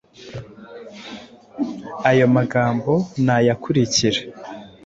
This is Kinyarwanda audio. Ayo magambo ni aya akurikira